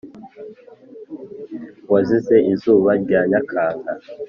wazize izuba rya nyakanga.